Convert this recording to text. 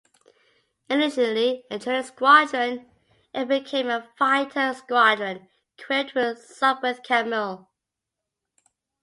Initially a training squadron it became a fighter squadron equipped with the Sopwith Camel.